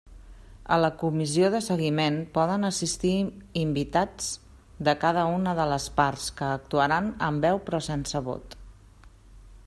A la Comissió de Seguiment poden assistir invitats de cada una de les parts, que actuaran amb veu però sense vot.